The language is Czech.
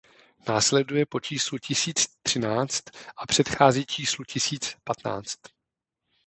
Následuje po číslu tisíc třináct a předchází číslu tisíc patnáct.